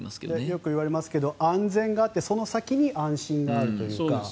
よく言われますが安全があってその先に安心があるというか。